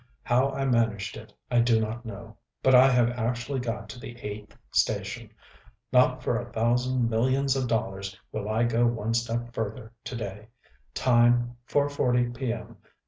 How I managed it, I do not know; but I have actually got to the eighth station! Not for a thousand millions of dollars will I go one step further to day. Time, 4:40 p. m.